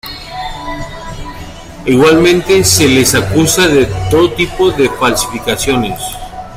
Igualmente se les acusa de todo tipo de falsificaciones.